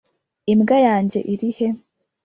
imbwa yanjye, irihe